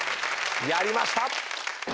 やりました！